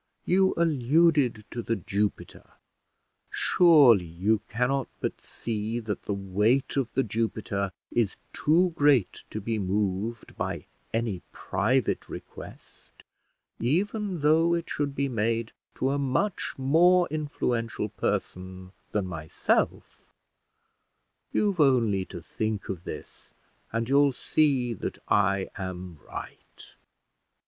You alluded to The Jupiter: surely you cannot but see that the weight of The Jupiter is too great to be moved by any private request, even though it should be made to a much more influential person than myself: you've only to think of this, and you'll see that I am right."